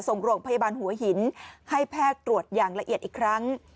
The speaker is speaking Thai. ส่งโรงพยาบาลหัวหินให้แพทย์ตรวจอย่างละเอียดอีกครั้ง